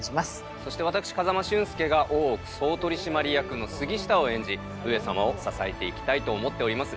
そしてわたくし風間俊介が大奥総取締役の杉下を演じ上様を支えていきたいと思っております。